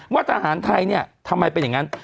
ว่าทหารไทยเนี่ยทำไมเป็นอย่างนั้น